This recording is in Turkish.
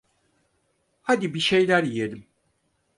Hadi bir şeyler yiyelim.